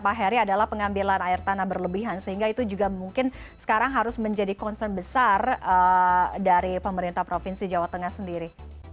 pak heri adalah pengambilan air tanah berlebihan sehingga itu juga mungkin sekarang harus menjadi concern besar dari pemerintah provinsi jawa tengah sendiri